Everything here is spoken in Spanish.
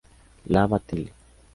La Bataille